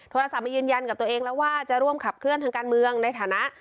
โทรศัพท์มายืนยันกับตัวเองแล้วว่าจะร่วมขับเคลื่อนทางการเมืองในฐานะ